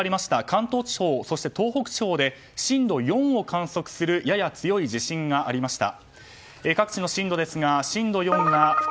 関東地方、そして東北地方で震度４を観測するやや強い地震がありました。